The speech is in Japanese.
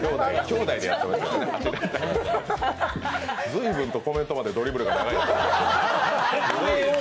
随分とコメントまでドリブルが長い。